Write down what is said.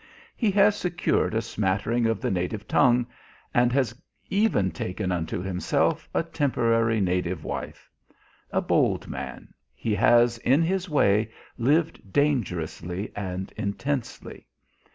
He has secured a smattering of the native tongue, and has even taken unto himself a temporary native wife. A bold man, he has, in his way, lived dangerously and intensely.